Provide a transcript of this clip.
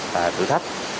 và thử thách